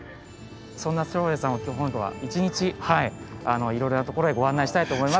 そんな照英さんを今日一日いろいろなところへご案内したいと思いますので。